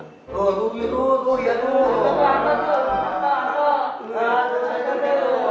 tuh tuh tuh tuh lihat dulu